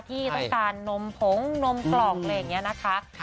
ที่ต้องการนมผงนมกล่องอะไรอย่างนี้นะคะ